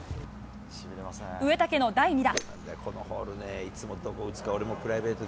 植竹の第２打。